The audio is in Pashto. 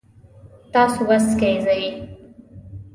تاسو بس کې ځئ؟